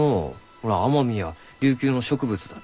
ほら奄美や琉球の植物だって。